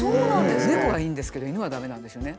猫はいいんですけど犬は駄目なんですよね。